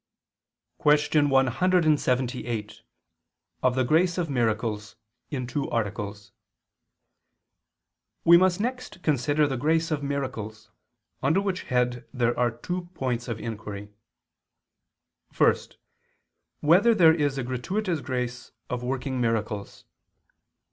_______________________ QUESTION 178 OF THE GRACE OF MIRACLES (In Two Articles) We must next consider the grace of miracles, under which head there are two points of inquiry: (1) Whether there is a gratuitous grace of working miracles?